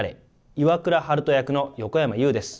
岩倉悠人役の横山裕です。